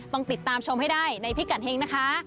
ต้องติดตามชมให้ได้ในพิกัดเฮงนะคะ